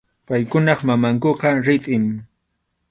Paykunap mamankuqa ritʼim.